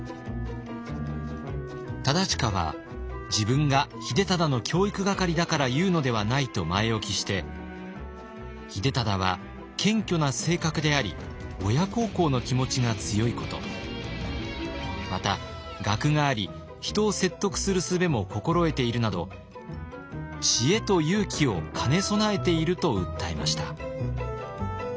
忠隣は「自分が秀忠の教育係だから言うのではない」と前置きして秀忠は謙虚な性格であり親孝行の気持ちが強いことまた学があり人を説得するすべも心得ているなど知恵と勇気を兼ね備えていると訴えました。